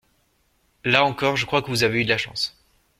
Là encore, je crois que vous avez eu de la chance.